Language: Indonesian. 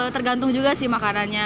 tergantung juga sih makanannya